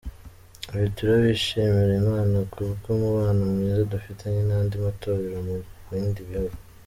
Ibi turabishimira Imana kubw’umubano mwiza dufitanye n’andi matorero mu bindi bihugu."